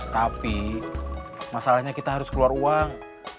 tapi masalahnya kita harus keluar uang